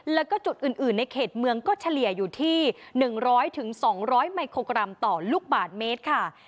แล้วก็จุดอื่นอื่นในเขตเมืองก็เฉลี่ยอยู่ที่หนึ่งร้อยถึงสองร้อยไมโครกรัมต่อลูกบาทเมตรค่ะ